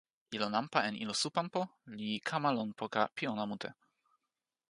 ilo nanpa en ilo Supanpo li kama lon poka pi ona mute.